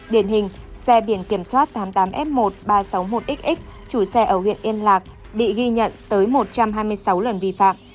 điển hình xe biển kiểm soát tám mươi tám f một ba trăm sáu mươi một xx chủ xe ở huyện yên lạc bị ghi nhận tới một trăm hai mươi sáu lần vi phạm